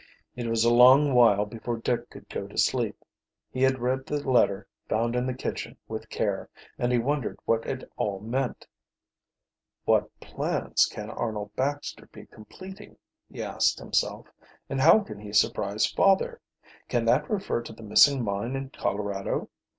It was a long while before Dick could go to sleep. He had read the letter found in the kitchen with care, and he wondered what it all meant. "What plans can Arnold Baxter be completing?" he asked himself. "And how can he surprise father? Can that refer to the missing mine in Colorado?